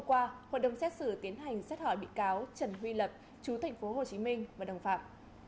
hôm qua hội đồng xét xử tiến hành xét hỏi bị cáo trần huy lập chú thành phố hồ chí minh và đồng phạm